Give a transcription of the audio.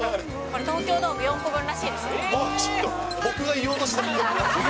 東京ドーム４個分らしいですよ。